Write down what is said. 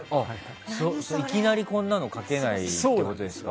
いきなりこんなの描けないってことですか？